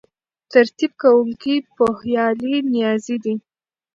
ترتیب کوونکی پوهیالی نیازی دی.